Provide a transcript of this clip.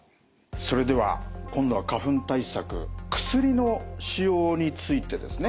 それでは今度は花粉対策薬の使用についてですね。